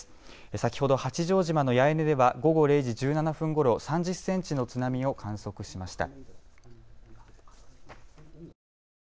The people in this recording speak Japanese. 先ほど八丈島の八重根では午後０時１７分ごろ３０センチの津波を観測しました。